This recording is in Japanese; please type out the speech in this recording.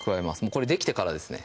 これできてからですね